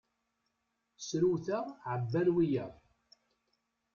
Srewteɣ, ɛebban wiyaḍ.